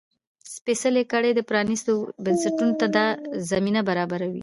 سپېڅلې کړۍ پرانيستو بنسټونو ته دا زمینه برابروي.